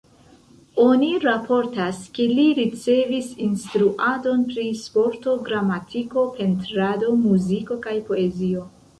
Oni raportas, ke li ricevis instruadon pri sporto, gramatiko, pentrado, muziko kaj poezio.